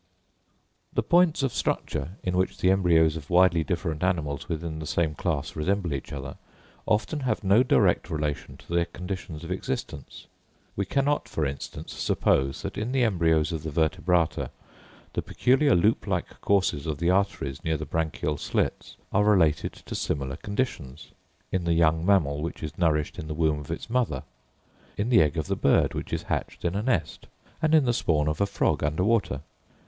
The points of structure, in which the embryos of widely different animals within the same class resemble each other, often have no direct relation to their conditions of existence. We cannot, for instance, suppose that in the embryos of the vertebrata the peculiar loop like courses of the arteries near the branchial slits are related to similar conditions—in the young mammal which is nourished in the womb of its mother, in the egg of the bird which is hatched in a nest, and in the spawn of a frog under water.